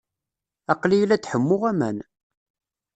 Aqli-iyi la d-ḥemmuɣ aman.